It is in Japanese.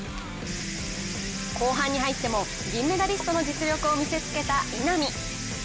後半に入っても銀メダリストの実力を見せつけた稲見。